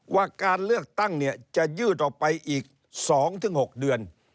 ว่าการเลือกตั้งจะยืดออกไปอีก๒๖เดือน